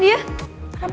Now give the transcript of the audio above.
kenapa gak apa apa